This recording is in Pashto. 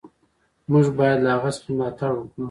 موږ باید له هغه څه ملاتړ وکړو.